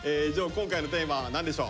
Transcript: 今回のテーマは何でしょう？